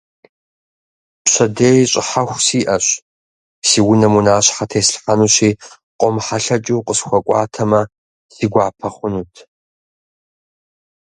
Пщэдей щӀыхьэху сиӀэщ, си унэм унащхьэ теслъхьэнущи, къомыхьэлъэкӀыу укъысхуэкӀуатэмэ, си гуапэ хъунт.